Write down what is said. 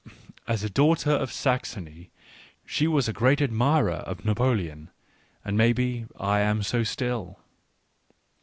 As a daughter of Saxony she was a great admirer of Napoleon, and maybe I am so still.